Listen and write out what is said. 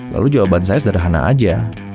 lalu jawaban saya sederhana aja